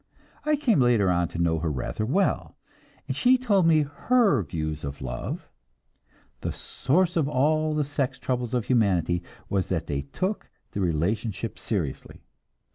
I came later on to know her rather well, and she told me her views of love; the source of all the sex troubles of humanity was that they took the relationship seriously.